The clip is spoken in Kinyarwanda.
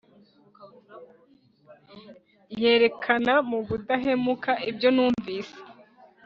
yerekana mu budahemuka ibyo numvise